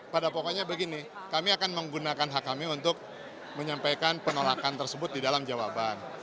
pada pokoknya begini kami akan menggunakan hak kami untuk menyampaikan penolakan tersebut di dalam jawaban